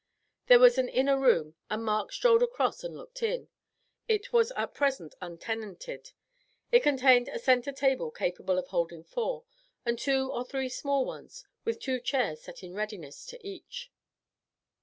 There was an inner room, and Mark strolled across and looked in. It was at present untenanted; it contained a center table capable of holding four, and two or three small ones, with two chairs set in readiness to each.